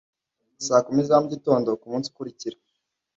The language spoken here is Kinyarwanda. Saa kumi za mu gitondo ku munsi ukurikira